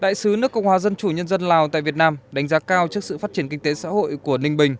đại sứ nước cộng hòa dân chủ nhân dân lào tại việt nam đánh giá cao trước sự phát triển kinh tế xã hội của ninh bình